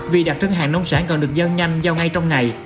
vì đặc trưng hàng nông sản còn được giao nhanh giao ngay trong ngày